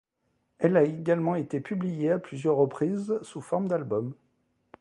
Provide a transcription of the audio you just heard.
Elle a également été publiée à plusieurs reprises sous forme d’albums.